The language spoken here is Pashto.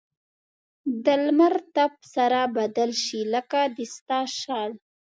د لمر تپ سره بدل شي؛ لکه د ستا شال.